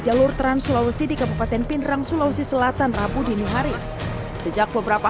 jalur trans sulawesi di kabupaten pinderang sulawesi selatan rabu di newhari sejak beberapa